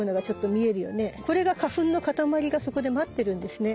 これが花粉のかたまりがそこで待ってるんですね。